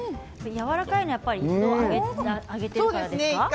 やわらかいのは揚げているからですか？